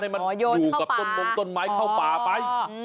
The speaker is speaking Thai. อ๋อโหโงช์ยนต์บ้านให้มันหยุดกับแต้นมองต้นไม้เข้าป่าไป